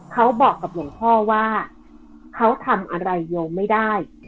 เขาบอกกับหลวงพ่อว่าเขาทำอะไรโยมไม่ได้